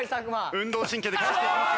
運動神経で返していきますが。